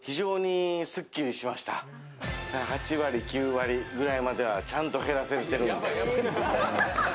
８割、９割ぐらいまではちゃんと減らせてる。